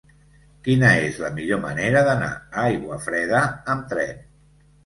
Quina és la millor manera d'anar a Aiguafreda amb tren?